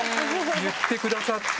言ってくださって。